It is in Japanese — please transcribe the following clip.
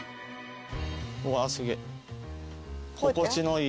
うわあすげえ。